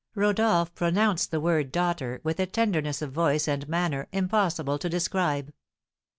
Rodolph pronounced the word daughter with a tenderness of voice and manner impossible to describe.